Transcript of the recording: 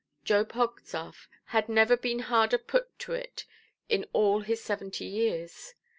Job Hogstaff had never been harder put to it in all his seventy years.